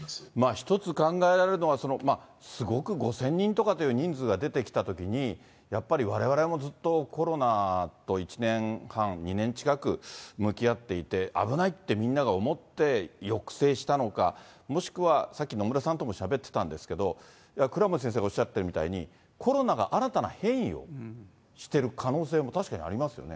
一つ考えられるのは、すごく５０００人とかという人数が出てきたときに、やっぱりわれわれもずっとコロナと１年半、２年近く向き合っていて、危ないって、みんなが思って抑制したのか、もしくは、さっき野村さんともしゃべってたんですけど、倉持先生がおっしゃってるみたいに、コロナが新たな変異をしてる可能性も確かにありますよね。